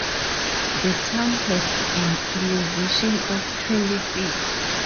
The town has an elevation of twenty feet.